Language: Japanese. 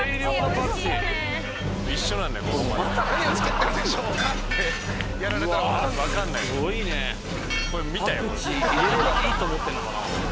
パクチー入れればいいと思ってんのかな。